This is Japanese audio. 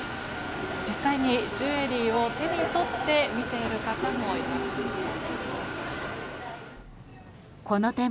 実際にジュエリーを手に取って見ている方もいますね。